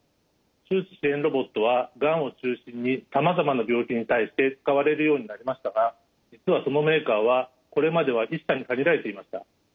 手術支援ロボットはがんを中心にさまざまな病気に対して使われるようになりましたが実はそのメーカーはこれまでは一社に限られていました。